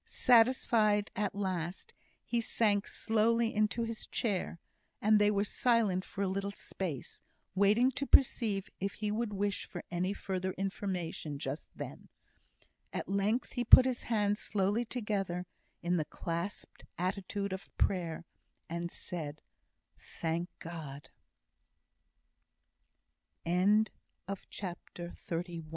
Satisfied at last, he sank slowly into his chair; and they were silent for a little space, waiting to perceive if he would wish for any further information just then. At length he put his hands slowly together in the clasped attitude of prayer, and said "Thank God!" CHAPTER XXXII The Bradshaw Pew Again Occupied If Jemima allowed